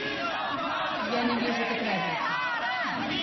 Я не вижу тут разницы.